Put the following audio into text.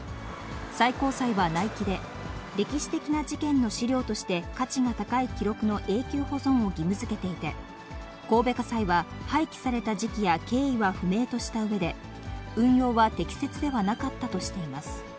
最高裁は内規で、歴史的な事件の資料として価値が高い記録の永久保存を義務づけていて、神戸家裁は、廃棄された時期や経緯は不明としたうえで、運用は適切ではなかったとしています。